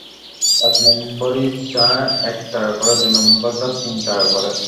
এক নম্বরী চা এক টাকা করে, দু নম্বরটা তিন টাকা করে।